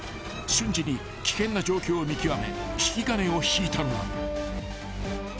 ［瞬時に危険な状況を見極め引き金を引いたのだ］